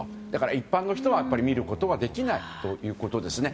一般の人は見ることができないということです。